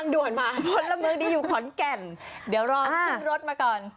ด่วนมาพลเมืองดีอยู่ขอนแก่นเดี๋ยวรอขึ้นรถมาก่อน